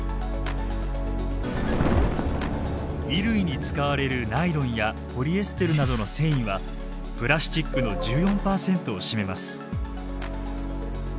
衣類に使われるナイロンやポリエステルなどの繊維はプラスチックの１４％を占めます。